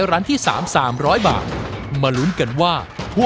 แล้วแนวก็ได้น่ะแนว